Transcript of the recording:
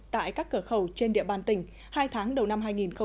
tại các cửa khẩu trên địa bàn tỉnh hai tháng đầu năm hai nghìn hai mươi